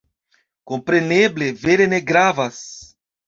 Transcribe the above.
Kompreneble, vere ne gravas.